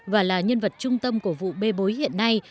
và là nhân vật trung tâm của vụ bê bối hiện nay